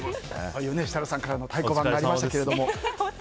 設楽さんからの太鼓判がありましたけれども。